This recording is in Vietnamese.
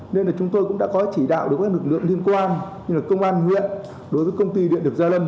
nên là chúng tôi cũng đã có chỉ đạo được các lực lượng liên quan như là công an huyện đối với công ty điện được gia lâm